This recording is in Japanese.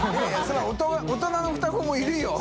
そりゃ大人の双子もいるよ。